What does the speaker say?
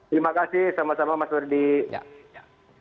terima kasih sama sama mas ferdi